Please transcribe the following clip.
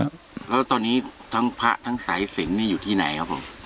แล้วตอนนี้ทั้งพระทั้งสายสินอยู่ที่ไหนครับผม